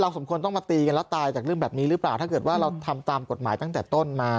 สมควรต้องมาตีกันแล้วตายจากเรื่องแบบนี้หรือเปล่าถ้าเกิดว่าเราทำตามกฎหมายตั้งแต่ต้นมา